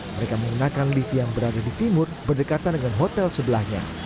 mereka menggunakan lift yang berada di timur berdekatan dengan hotel sebelahnya